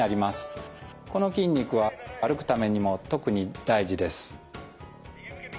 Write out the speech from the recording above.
この筋肉は歩くためにも特に大事です。